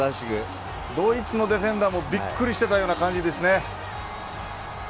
ドイツのディフェンダーもびっくりしてたような感じですね。